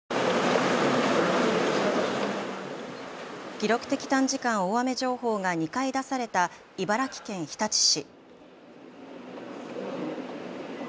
記録的短時間大雨情報が２回出された茨城県日立市。